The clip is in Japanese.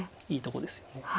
いいとこですよね。